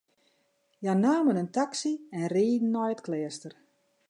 Hja namen in taksy en rieden nei it kleaster.